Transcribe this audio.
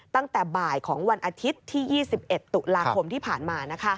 ตั้งแต่บ่ายของวันอาทิตย์ที่๒๑ตุลาคมที่ผ่านมา